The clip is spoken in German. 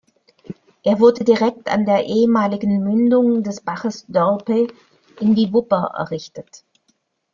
Er wurde direkt an der ehemaligen Mündung des Baches Dörpe in die Wupper errichtet.